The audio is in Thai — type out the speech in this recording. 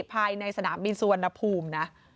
ภายในสนามบินสุวรรณภูมินะ